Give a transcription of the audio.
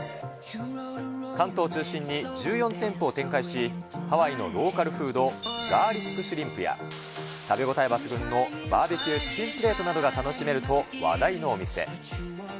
関東を中心に１４店舗を展開し、ハワイのローカルフード、ガーリックシュリンプや、食べ応え抜群のバーベキューチキンプレートなどが楽しめると話題のお店。